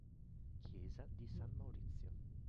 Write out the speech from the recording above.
Chiesa di San Maurizio